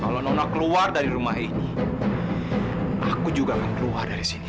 kalau nona keluar dari rumah ini aku juga akan keluar dari sini